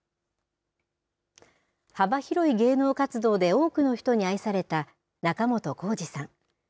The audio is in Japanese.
幅広い芸能活動で多くの人に愛された、仲本工事さん。